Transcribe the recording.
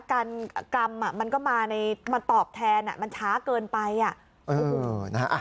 การกรรมอ่ะมันก็มาในมันตอบแทนอ่ะมันช้าเกินไปอ่ะเออนะฮะ